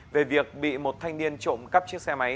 về việc bị một thanh niên trộm cắp chiếc xe máy